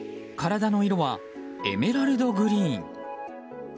体の色はエメラルドグリーン。